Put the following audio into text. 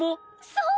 そう！